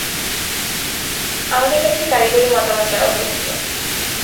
আমাদের কাছে কারিগরি মতামত চাওয়া হয়েছিল।